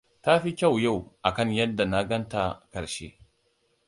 Ta fi kyau yau akan yadda na gan ta na karshe.